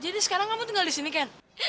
jadi sekarang kamu tinggal disini ken